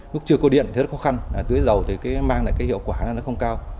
lúc chưa có điện thì rất khó khăn tưới dầu thì mang lại hiệu quả không cao